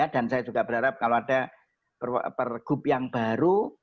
dan saya juga berharap kalau ada pergub yang baru